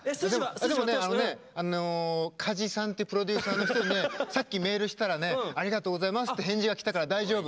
加地さんってプロデューサーの人にねさっきメールしたら「ありがとうございます」って返事はきたから大丈夫。